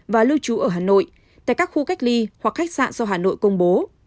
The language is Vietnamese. và lưu trú ở hà nội tại các khu cách ly hoặc khách sạn do hà nội công bố